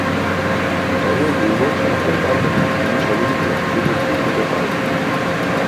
তবে দূর্বল স্বাস্থ্যের কারণে তিনি ছবিটিতে উপস্থিত হতে পারেননি।